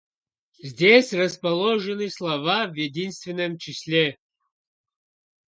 Здесь расположены слова в единственном числе: